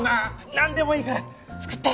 なんでもいいから作って！